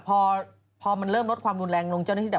พอมันเริ่มลดความรุนแรงลงเจ้าหน้าที่ดับ